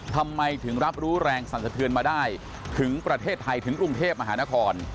ทำไมถึงรับรู้แรงสั่นสะเทือนมาได้ถึงประเทศไทยถึงกรุงเทพมหานคร